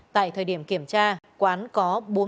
tại thời điểm kiểm tra quán có bốn mươi ba